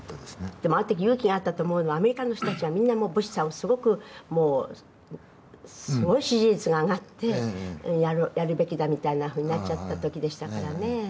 でも、あの時勇気があったというのはアメリカの人たちはブッシュさんをすごい支持率が上がってやるべきだみたいなふうになっちゃった時でしたからね。